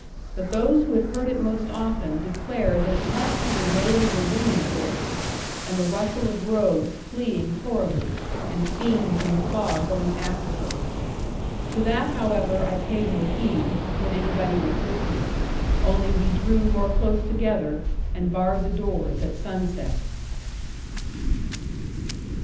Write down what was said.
But those who had heard it most often declared that it must be the wail of a woman's voice, and the rustle of robes fleeing horribly, and fiends in the fog going after her. To that, however, I paid no heed, when anybody was with me; only we drew more close together, and barred the doors at sunset.